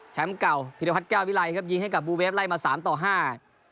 เก่าพิรพัฒนแก้ววิไลครับยิงให้กับบูเวฟไล่มาสามต่อห้า